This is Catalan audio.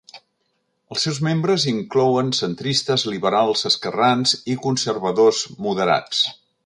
Els seus membres inclouen centristes, liberals, esquerrans i conservadors moderats.